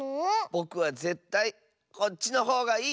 ぼくはぜったいこっちのほうがいい！